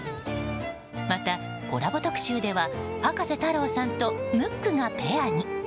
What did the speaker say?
またコラボ特集では葉加瀬太郎さんとムックがペアに。